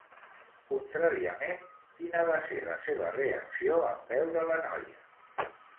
Contràriament, quina va ser la seva reacció en veure la noia?